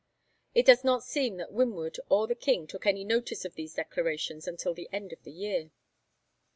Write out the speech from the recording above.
It does not seem that Winwood or the King took any notice of these declarations until the end of the year.